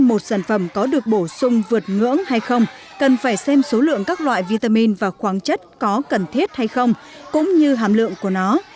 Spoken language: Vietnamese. một sản phẩm có được bổ sung vượt ngưỡng hay không cần phải xem số lượng các loại vitamin và khoáng chất có cần thiết hay không cũng như hàm lượng của nó